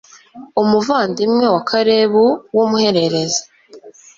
umuvandimwe wa kalebu w'umuhererezi